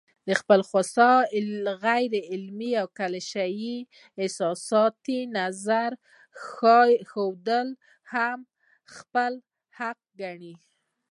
د خپل خوسا، غيرعلمي او کليشه يي حساسيتي نظر ښودل هم خپل حق ګڼي